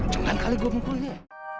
jangan kali gua mumpulnya